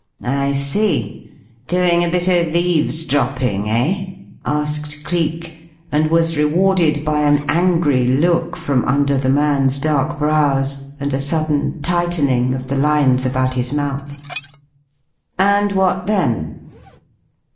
"I see. Doing a bit of eavesdropping, eh?" asked Cleek, and was rewarded by an angry look from under the man's dark brows and a sudden tightening of the lines about his mouth. "And what then?"